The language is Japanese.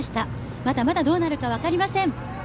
まだまだどうなるか分かりません。